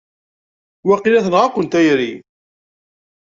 Waqila tenɣa-ken tayri!